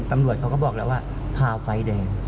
ตำรวจเขาก็บอกแล้วว่าพาไฟแดง